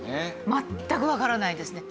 全くわからないですね。